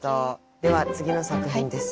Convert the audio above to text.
では次の作品です。